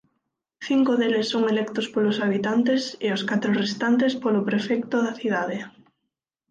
Cinco deles son electos polos habitantes e os catro restantes polo prefecto da cidade.